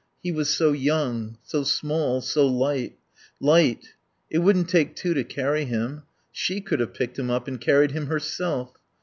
He was so young, so small, so light. Light. It wouldn't take two to carry him. She could have picked him up and carried him herself.